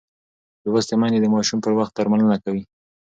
لوستې میندې د ماشوم پر وخت درملنه کوي.